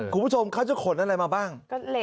คุณผู้ชมเขาจะขนอะไรมาบ้าง